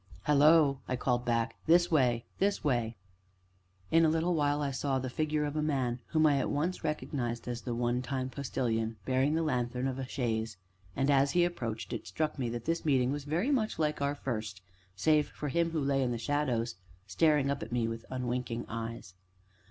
"Hallo!" I called back; "this way this way!" In a little while I saw the figure of a man whom I at once recognized as the one time Postilion, bearing the lanthorn of a chaise, and, as he approached, it struck me that this meeting was very much like our first, save for him who lay in the shadows, staring up at me with unwinking eyes.